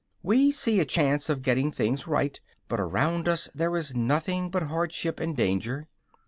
We see a chance of getting things right, but around us there is nothing but hardship and danger.